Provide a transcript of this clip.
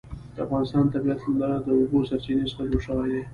د افغانستان طبیعت له د اوبو سرچینې څخه جوړ شوی دی.